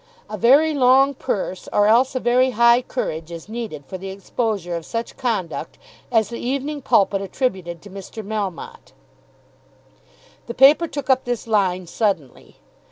A very long purse, or else a very high courage is needed for the exposure of such conduct as the "Evening Pulpit" attributed to Mr. Melmotte. The paper took up this line suddenly.